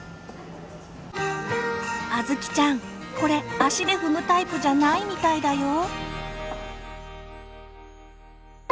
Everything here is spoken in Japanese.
あずきちゃんこれ足で踏むタイプじゃないみたいだよ。